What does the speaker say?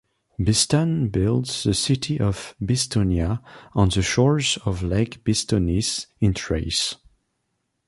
Biston built the city of Bistonia on the shores of Lake Bistonis in Thrace.